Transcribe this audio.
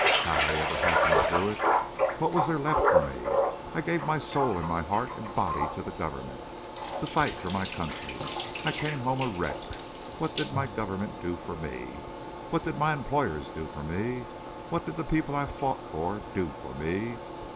"How'd I ever happen to do it?... What was there left for me? I gave my soul and heart and body to the government—to fight for my country. I came home a wreck. What did my government do for me? What did my employers do for me? What did the people I fought for do for me?...